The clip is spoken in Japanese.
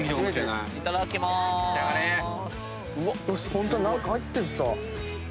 ホント何か入ってるぞ。